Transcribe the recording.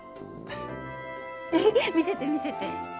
見せて見せて。